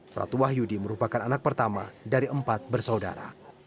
pratu wahyudi merupakan anak pertama dari empat bersaudara